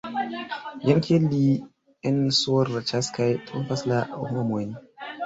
Jen kiel li ensorĉas kaj trompas la homojn!